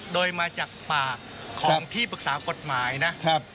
โดยมาจากปากของที่ปรึกษากฎหมายนะครับ